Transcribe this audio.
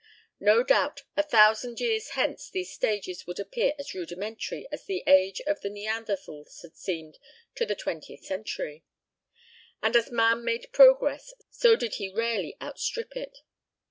No doubt a thousand years hence these stages would appear as rudimentary as the age of the Neanderthals had seemed to the twentieth century. And as man made progress so did he rarely outstrip it.